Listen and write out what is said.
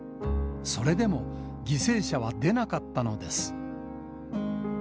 それでも、犠牲者は出なかったのです。